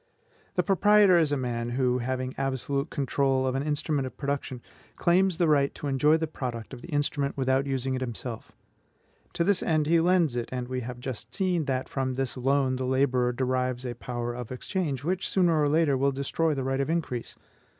The proprietor is a man who, having absolute control of an instrument of production, claims the right to enjoy the product of the instrument without using it himself. To this end he lends it; and we have just seen that from this loan the laborer derives a power of exchange, which sooner or later will destroy the right of increase.